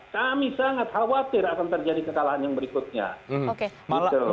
kami sangat khawatir akan terjadi kekalahan yang berikutnya